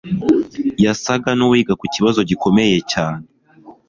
Yasaga n'uwiga ku kibazo gikomeye cyane